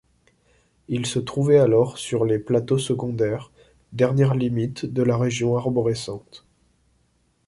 Ils se trouvaient alors sur les plateaux secondaires, dernière limite de la région arborescente.